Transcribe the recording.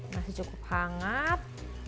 nasi cukup hangat